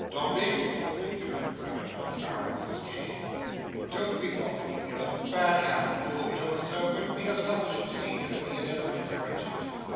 "Dombey," said the Major, rapping him on the arm with his cane, "don't be thoughtful. It's a bad habit, Old Joe, Sir, wouldn't be as tough as you see him, if he had ever encouraged it.